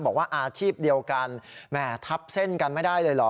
บอกว่าอาชีพเดียวกันแหม่ทับเส้นกันไม่ได้เลยเหรอ